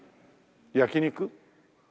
焼き肉？